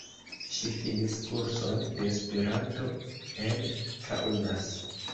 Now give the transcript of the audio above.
Ŝi finis kurson de Esperanto en Kaunas.